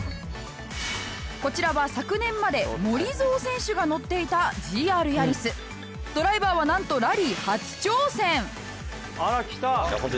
こちらは昨年までモリゾウ選手が乗っていたドライバーはなんとラリー初挑戦